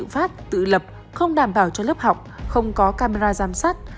tự phát tự lập không đảm bảo cho lớp học không có camera giám sát